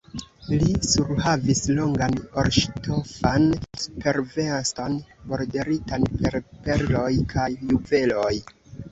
Li surhavis longan orŝtofan superveston, borderitan per perloj kaj juveloj.